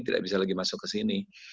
tidak bisa lagi masuk kesini